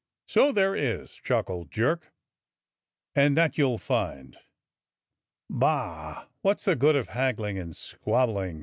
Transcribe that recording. "So there is," chuckled Jerk, "and that you'll find." "Bah! what's the good of hagghng and squabbling?"